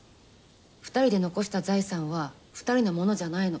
２人で残した財産は２人のものじゃないの。